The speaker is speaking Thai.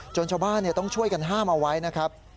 ชาวบ้านต้องช่วยกันห้ามเอาไว้นะครับ